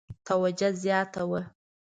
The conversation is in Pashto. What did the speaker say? توجه زیاته وه.